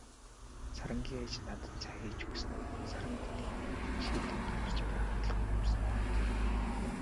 Сарангийн ээж надад цай хийж өгснөө "Саран гэнэт шийдэн яарч байгаад л явсан" гэв.